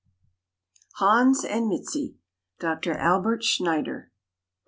HANS AND MIZI. DR. ALBERT SCHNEIDER.